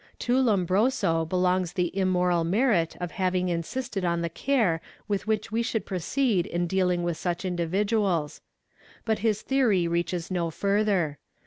To Lombroso belongs the immortal merit of having insisted on the care with which we should proceed in dealing with such individuals. But hi theory reaches no further.